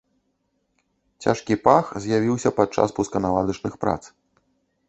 Цяжкі пах з'явіўся падчас пусканаладачных прац.